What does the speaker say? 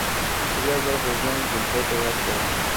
اویا زره پوځیان جبهو ته واستول.